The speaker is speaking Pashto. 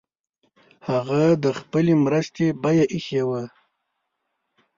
هغه د خپلي مرستي بیه ایښې وه.